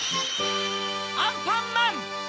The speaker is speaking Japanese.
アンパンマン‼